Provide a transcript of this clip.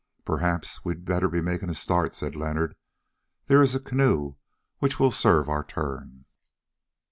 "Perhaps we had better be making a start," said Leonard; "there is a canoe which will serve our turn."